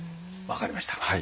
分かりました。